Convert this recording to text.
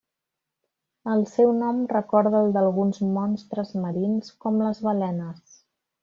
El seu nom recorda el d'alguns monstres marins, com les balenes.